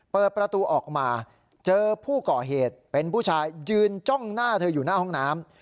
เปิดประตูออกมาเจอผู้ก่อเหตุเป็นผู้ชายยืนจ้องหน้าเธออยู่หน้าห้องน้ำ